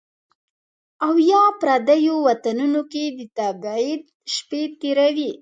او یا، پردیو وطنونو کې د تبعید شپې تیروي